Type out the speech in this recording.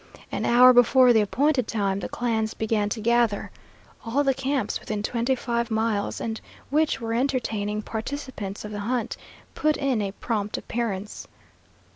An hour before the appointed time the clans began to gather. All the camps within twenty five miles, and which were entertaining participants of the hunt, put in a prompt appearance.